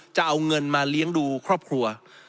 จะเอาเงินมาเลี้ยงดูครอบครัว